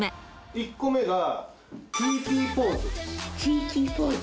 １個目がＴＴポーズ。